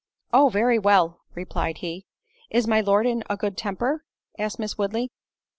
"Oh! very well," replied he. "Is my Lord in a good temper?" asked Miss Woodley.